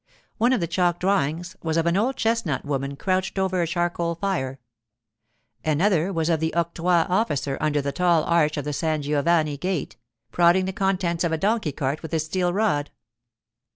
One of the chalk drawings was of an old chestnut woman crouched over her charcoal fire; another was of the octroi officer under the tall arch of the San Giovanni gate, prodding the contents of a donkey cart with his steel rod.